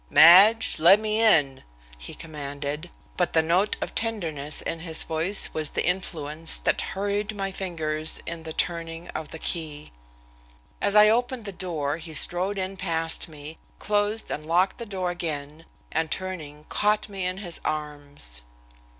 "Madge, let me in," he commanded, but the note of tenderness in his voice was the influence that hurried my fingers in the turning of the key. As I opened the door he strode in past me, closed and locked the door again, and, turning, caught me in his arms.